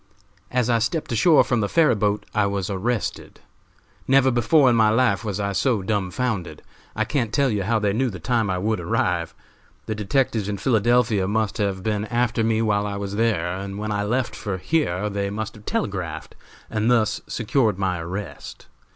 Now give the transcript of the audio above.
As I stepped ashore from the ferry boat I was arrested. Never before in my life was I so dumbfounded. I can't tell you how they knew the time I would arrive. The detectives in Philadelphia must have been after me while I was there, and when I left for here they must have telegraphed, and thus secured my arrest.